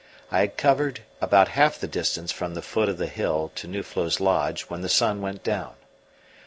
I had covered about half the distance from the foot of the hill to Nuflo's lodge when the sun went down.